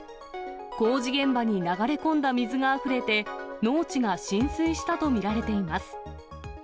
工事現場に流れ込んだ水があふれて、農地が浸水したと見られています。